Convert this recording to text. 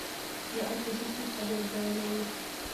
سرعت د جسم فعالیت بیانوي.